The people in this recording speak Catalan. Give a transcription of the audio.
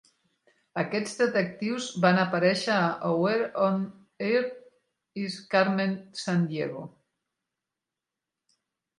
Aquests detectius van aparèixer a "Where on Earth Is Carmen Sandiego".